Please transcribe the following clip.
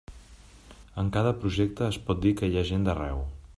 En cada projecte es pot dir que hi ha gent d'arreu.